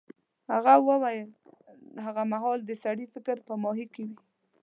هغه وویل هغه مهال د سړي فکر په ماهي کې وي.